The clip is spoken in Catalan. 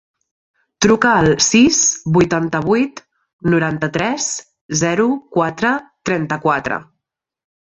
Truca al sis, vuitanta-vuit, noranta-tres, zero, quatre, trenta-quatre.